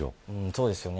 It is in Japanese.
そうですよね。